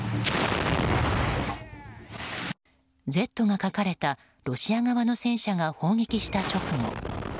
「Ｚ」が描かれたロシア側の戦車が砲撃した直後